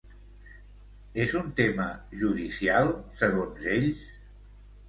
És un tema judicial, segons ells?